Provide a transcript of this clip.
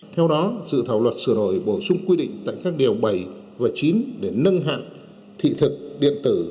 theo đó dự thảo luật sửa đổi bổ sung quy định tại các điều bảy và chín để nâng hạn thị thực điện tử